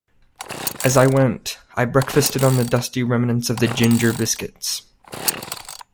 As I went I breakfasted on the dusty remnants of the ginger biscuits.